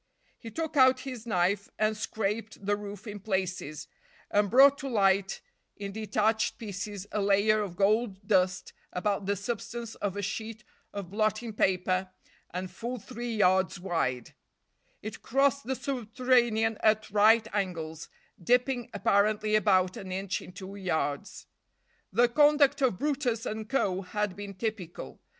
He took out his knife and scraped the roof in places, and brought to light in detached pieces a layer of gold dust about the substance of a sheet of blotting paper and full three yards wide; it crossed the subterranean at right angles, dipping apparently about an inch in two yards. The conduct of brutus and co. had been typical.